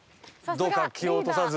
どうか気を落とさず。